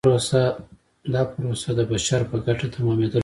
دا پروسه د بشر په ګټه تمامیدل غواړي.